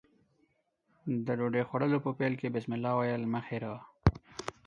د ډوډۍ خوړلو په پیل کې بسمالله ويل مه هېروه.